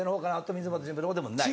溝端淳平の方でもない。